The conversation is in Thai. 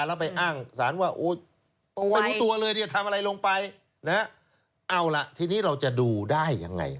แล้วไปอ้างสารว่าไม่รู้ตัวเลยเนี่ยทำอะไรลงไปนะเอาล่ะทีนี้เราจะดูได้ยังไง